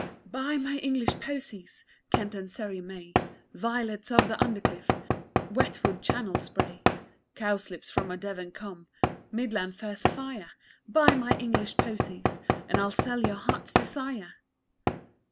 _Buy my English posies! Kent and Surrey may Violets of the Undercliff Wet with Channel spray; Cowslips from a Devon combe Midland furze afire Buy my English posies And I'll sell your heart's desire!